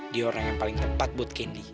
dia orang yang paling tepat buat kendi